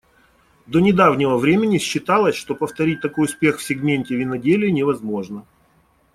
До недавнего времени считалось, что повторить такой успех в сегменте виноделия невозможно.